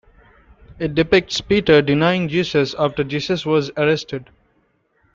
It depicts Peter denying Jesus after Jesus was arrested.